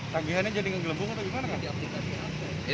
tagihannya jadi ngegelembung atau gimana